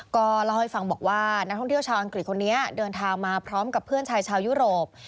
ก็เล่าให้ฟังบอกว่านักท่องเที่ยวชาวอังกฤษคนนี้เดินทางมาพร้อมกับเพื่อนชายชาวยุโรป